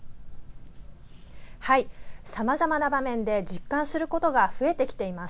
さまざまな場面で実感することが増えてきています。